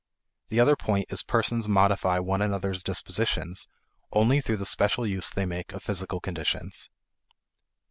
The other point is persons modify one another's dispositions only through the special use they make of physical conditions.